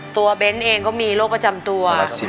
เบ้นเองก็มีโรคประจำตัว